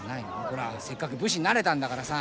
ほらせっかく武士になれたんだからさ。